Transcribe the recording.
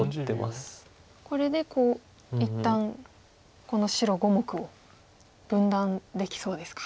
これで一旦この白５目を分断できそうですか。